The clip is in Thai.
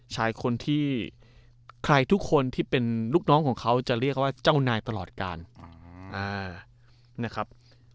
ชายคนที่ใครทุกคนที่เป็นลูกน้องของเขาจะเรียกเขาว่าเจ้านายตลอดการนะครับ